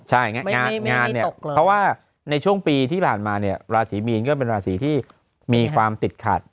ใช่งานเนี่ยเพราะว่าในช่วงปีที่ผ่านมาเนี่ยราศีมีนก็เป็นราศีที่มีความติดขัด